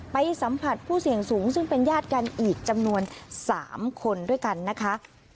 ไปสัมผัสผู้เสี่ยงสูงซึ่งเป็นญาติกันอีกจำนวน๓คนด้วยกันนะคะ